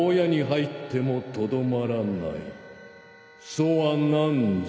そは何ぞ。